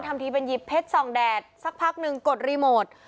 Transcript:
ทำทีเป็นหยิบเพชรส่องแดดสักพักหนึ่งกดรีโมท